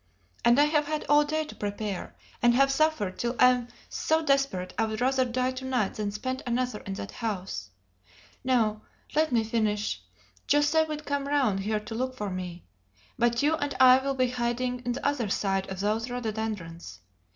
And I have had all day to prepare, and have suffered till I am so desperate I would rather die to night than spend another in that house. No; let me finish! José will come round here to look for me. But you and I will be hiding on the other side of these rhododendrons.